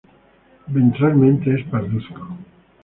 Ventralmente es parduzco.